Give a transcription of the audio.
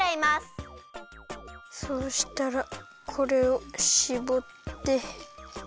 そうしたらこれをしぼって。